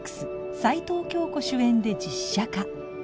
齊藤京子主演で実写化